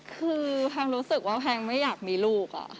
คือแพงรู้สึกว่าแพงไม่อยากมีลูก